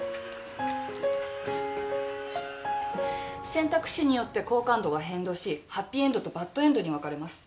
選択肢によって好感度が変動しハッピーエンドとバッドエンドに分かれます。